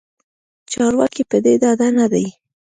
چارواکې پدې ډاډه ندي